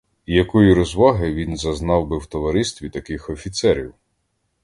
І якої розваги він зазнав би в товаристві таких офіцерів?